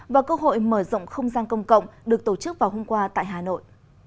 và cơ hội mở rộng không gian công cộng được tổ chức vào hôm qua tại hà nội